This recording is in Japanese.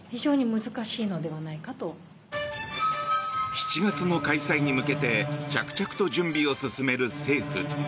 ７月の開催に向けて着々と準備を進める政府。